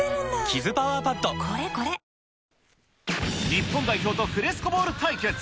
日本代表とフレスコボール対決。